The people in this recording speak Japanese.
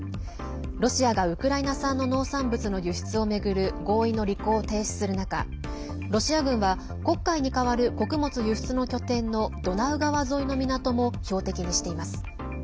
ロシアがウクライナ産の農産物の輸出を巡る合意の履行を停止する中ロシア軍は黒海に代わる穀物輸出の拠点のドナウ川沿いの港も標的にしています。